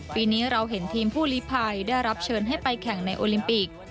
ปีนี้เราเห็นทีมผู้ลิภัยได้รับเชิญให้ไปแข่งในโอลิมปิก